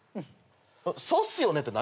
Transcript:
そうっすよね。